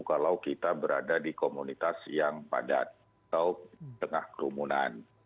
kalau kita berada di komunitas yang padat atau tengah kerumunan